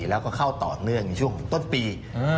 แล้วก็เข้าต่อเนื่องในช่วงต้นปี